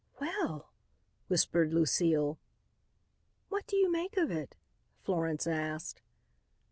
"Well!" whispered Lucile. "What do you make of it?" Florence asked.